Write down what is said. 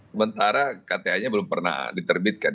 sementara kta nya belum pernah diterbitkan